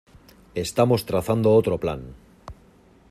Estamos trazando otro plan.